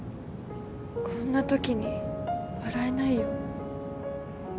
こんなときに笑えないよ。